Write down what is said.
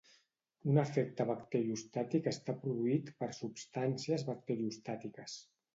Un efecte bacteriostàtic està produït per substàncies bacteriostàtiques.